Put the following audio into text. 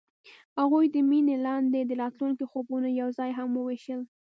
هغوی د مینه لاندې د راتلونکي خوبونه یوځای هم وویشل.